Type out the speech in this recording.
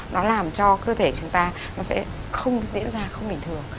nó làm cho cơ thể chúng ta nó sẽ không diễn ra không bình thường